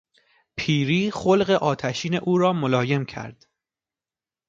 پیری خلق آتشین او را ملایم کرد.